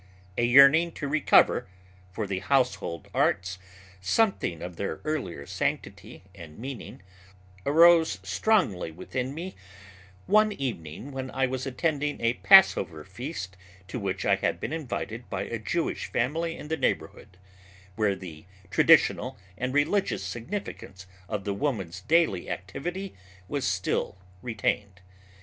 A yearning to recover for the household arts something of their early sanctity and meaning arose strongly within me one evening when I was attending a Passover Feast to which I had been invited by a Jewish family in the neighborhood, where the traditional and religious significance of the woman's daily activity was still retained.